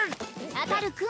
あたる君。